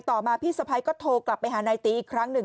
ต่อมาพี่สะพ้ายก็โทรกลับไปหานายตีอีกครั้งหนึ่ง